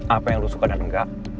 apa yang lo suka dan enggak